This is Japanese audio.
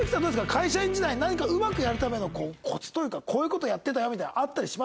会社員時代何かうまくやるためのコツというかこういう事やってたよみたいなのあったりしますか？